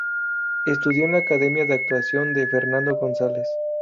Estudió en la Academia de Actuación de Fernando González.